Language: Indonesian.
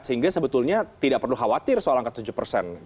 sehingga sebetulnya tidak perlu khawatir soal angka tujuh persen